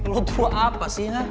lo dua apa sih ha